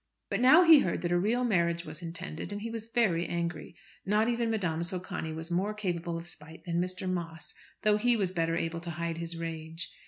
But now he heard that a real marriage was intended, and he was very angry. Not even Madame Socani was more capable of spite than Mr. Moss, though he was better able to hide his rage.